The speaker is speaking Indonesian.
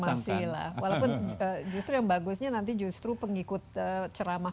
walaupun justru yang bagusnya nanti justru pengikut ceramah